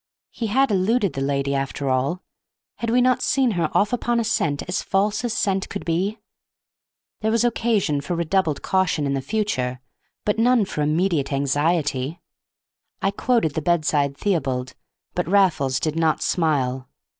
He had eluded the lady, after all; had we not seen her off upon a scent as false as scent could be? There was occasion for redoubled caution in the future, but none for immediate anxiety. I quoted the bedside Theobald, but Raffles did not smile.